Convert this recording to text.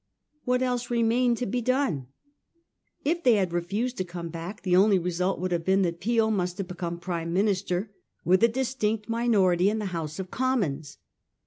What else remained to be done ? If they had refused to come back, the only result would have been that Peel must have be come Prime Minister, with a distinct minority in the House of Commons.